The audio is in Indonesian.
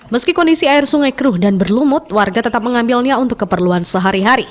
meski kondisi air sungai keruh dan berlumut warga tetap mengambilnya untuk keperluan sehari hari